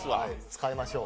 使いましょう。